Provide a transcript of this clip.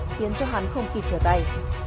khiến cho hắn không kịp trở tay